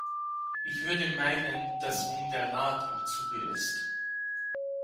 Ich würde meinen, dass nun der Rat am Zuge ist.